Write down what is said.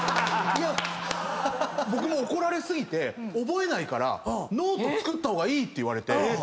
僕も怒られ過ぎて覚えないからノート作った方がいいって言われて。